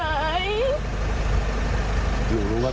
พ่อได้ยินหนูไหมพ่ออยู่ไหน